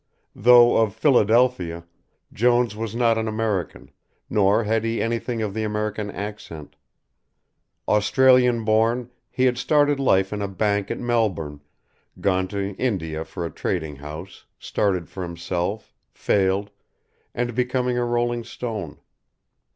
Though of Philadelphia, Jones was not an American, nor had he anything of the American accent. Australian born, he had started life in a bank at Melbourne, gone to India for a trading house, started for himself, failed, and become a rolling stone.